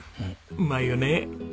うまいよね。